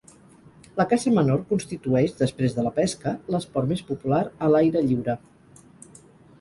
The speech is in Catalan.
La caça menor constitueix, després de la pesca, l'esport més popular a l'aire lliure.